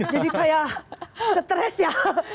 jadi kayak stress ya